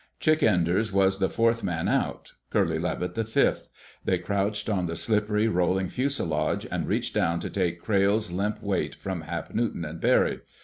Chick Enders was the fourth man out, Curly Levitt the fifth. They crouched on the slippery, rolling fuselage, and reached down to take Crayle's limp weight from Hap Newton and Barry.